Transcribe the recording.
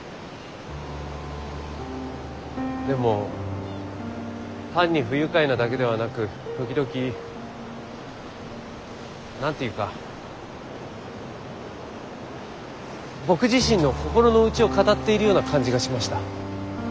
でも単に不愉快なだけではなく時々何て言うか僕自身の心の内を語っているような感じがしました。